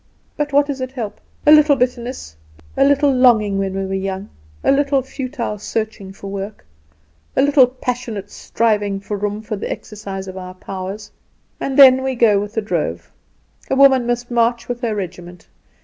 "But what does it help? A little bitterness, a little longing when we are young, a little futile searching for work, a little passionate striving for room for the exercise of our powers, and then we go with the drove. A woman must march with her regiment.